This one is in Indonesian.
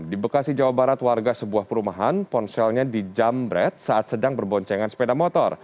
di bekasi jawa barat warga sebuah perumahan ponselnya dijamret saat sedang berboncengan sepeda motor